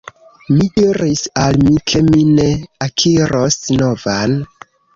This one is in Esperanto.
Mi diris al mi, ke mi ne akiros novan.